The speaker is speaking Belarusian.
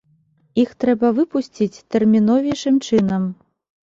Іх трэба выпусціць тэрміновейшым чынам.